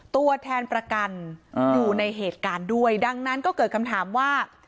ตัวแทนประกันอยู่ในเหตุการณ์ด้วยดังนั้นก็เกิดคำถามว่า